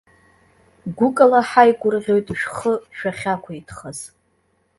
Гәыкала ҳаигәырӷьоит шәхы шәахьақәиҭхаз.